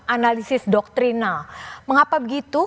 analisis doktrina mengapa begitu